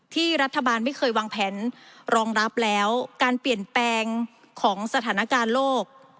ที่รัฐบาลไม่เคยวางแผนรองรับแล้วการเปลี่ยนแปลงของสถานการณ์โลก